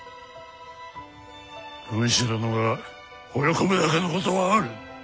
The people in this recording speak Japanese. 軍師殿がほれ込むだけのことはある。